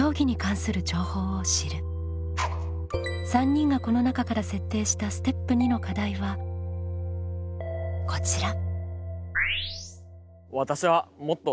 ３人がこの中から設定したステップ２の課題はこちら。